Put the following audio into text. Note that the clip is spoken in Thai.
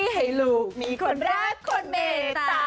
ให้ลูกมีคนรักคนเมตตา